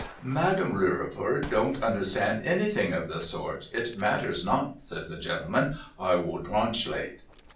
' Madame Lirriper don't understand anything of the sort.' ' It matters not,' says the gentleman, ' I will trrwanslate.'